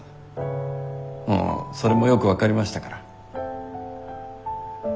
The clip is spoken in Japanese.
もうそれもよく分かりましたから。